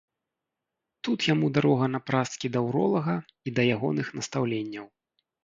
Тут яму дарога напрасткі да ўролага і да ягоных настаўленняў.